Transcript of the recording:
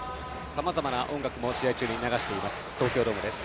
さまざまな音楽も試合中に流している東京ドームです。